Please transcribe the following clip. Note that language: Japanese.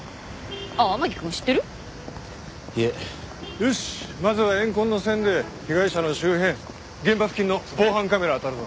よしまずは怨恨の線で被害者の周辺現場付近の防犯カメラを当たるぞ。